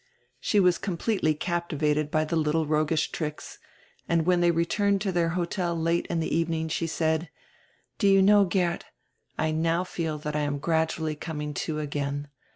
She was com pletely captivated by the little roguish tricks, and when they returned to their hotel late in the evening she said: "Do you know, Geert, I now feel that I am gradually coming to again.